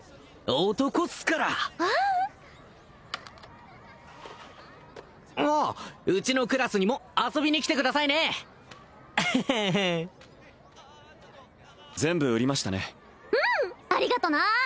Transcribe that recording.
男っすからあっうちのクラスにも遊びに来てくださいね全部売りましたねうんありがとな！